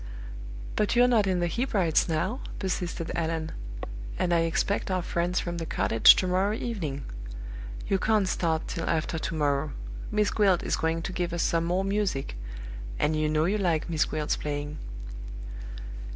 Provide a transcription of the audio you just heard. "But you're not in the Hebrides now," persisted Allan; "and I expect our friends from the cottage to morrow evening. You can't start till after to morrow. Miss Gwilt is going to give us some more music, and you know you like Miss Gwilt's playing."